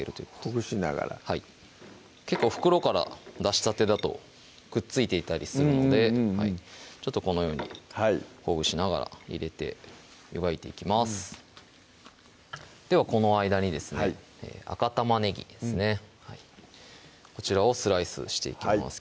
ほぐしながらはい結構袋から出したてだとくっついていたりするのでこのようにほぐしながら入れて湯がいていきますではこの間にですね赤玉ねぎですねこちらをスライスしていきます